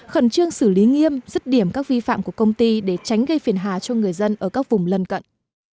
khẩn trương xử lý nghiêm dứt điểm các vi phạm của công ty để tránh gây phiền hà cho người dân ở các vùng lân cận